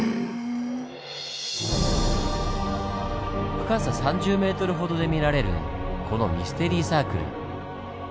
深さ３０ｍほどで見られるこのミステリーサークル。